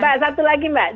mbak satu lagi mbak